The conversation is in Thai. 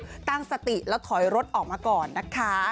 คือตั้งสติแล้วถอยรถออกมาก่อนนะคะ